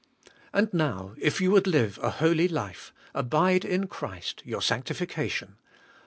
And now, if you would live a holy life, abide in Christ your sanctification.